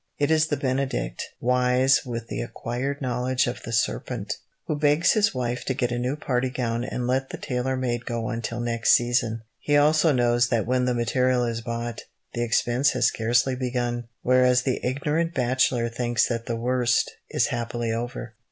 It is the benedict, wise with the acquired knowledge of the serpent, who begs his wife to get a new party gown and let the tailor made go until next season. He also knows that when the material is bought, the expense has scarcely begun, whereas the ignorant bachelor thinks that the worst is happily over.